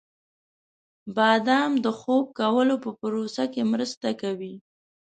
• بادام د خوب کولو په پروسه کې مرسته کوي.